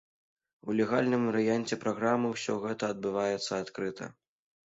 У легальным варыянце праграмы ўсё гэта адбываецца адкрыта.